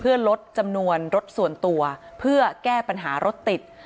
เพื่อลดจำนวนรถส่วนตัวเพื่อแก้ปัญหารถติด